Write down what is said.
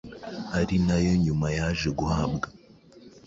ari nayo nyuma yaje guhabwa